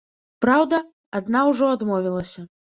Праўда, адна ўжо адмовілася.